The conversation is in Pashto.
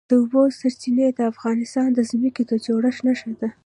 د اوبو سرچینې د افغانستان د ځمکې د جوړښت نښه ده.